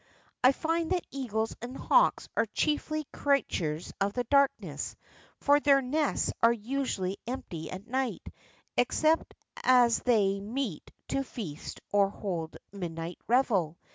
I find that eagles and hawks are chiefiy crea tures of the darkness, for their nests are usually empty at night, except as they meet to feast or hold a midnight revel.